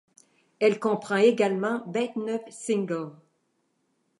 Elle comprend également vingt-neuf singles.